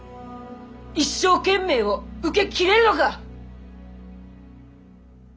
一生懸命を受けきれるのか！